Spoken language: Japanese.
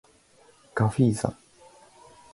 ガフィーザ